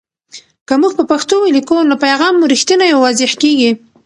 که موږ په پښتو ولیکو، نو پیغام مو رښتینی او واضح کېږي.